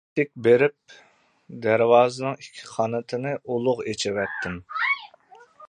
ئىتتىك بېرىپ دەرۋازىنىڭ ئىككى قانىتىنى ئۇلۇغ ئېچىۋەتتىم.